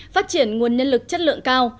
phát triển nguồn nhân lực chất lượng cao